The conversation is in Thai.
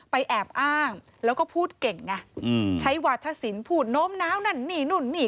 ไปแอบอ้างแล้วก็พูดเก่งไงอืมใช้วัฒสินผูดนมน้าวนั่นนี่นุ่นนี่